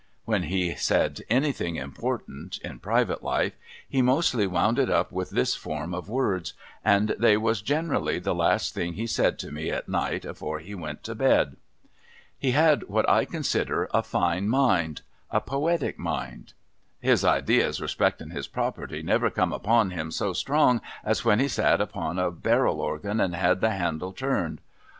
When he said anything important, in private life, he mostly wound it up with this form of words, and they was generally the last thing he said to me at night afore he went to bed. He had what I consider a fine mind — a poetic mind. His ideas respectin his property never come upon him so strong as when he sat upon a barrel organ and had the handle turned.